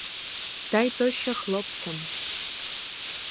Та й то ще хлопцям!